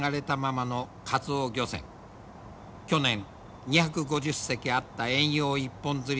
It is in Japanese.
去年２５０隻あった遠洋一本づり